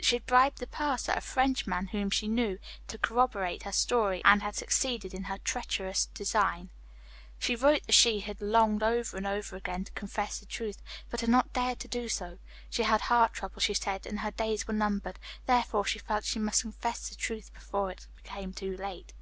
She had bribed the purser, a Frenchman whom she knew, to corroborate her story, and had succeeded in her treacherous design. "She wrote that she had longed over and over again to confess the truth, but had not dared to do so. She had heart trouble, she said, and her days were numbered. Therefore she felt that she must confess the truth before it became too late.